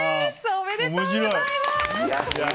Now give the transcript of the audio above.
おめでとうございます。